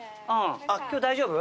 今日大丈夫？